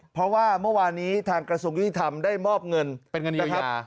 เพราะว่าเมื่อวานนี้ทางกระทรวงยุติธรรมได้มอบเงินเป็นเงินนะครับ